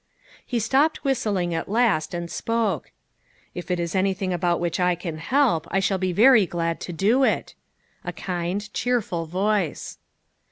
He stopped whistling at last and spoke :" If it is anything about which I can help, I shall be very glad to do it." A kind, cheerful voice.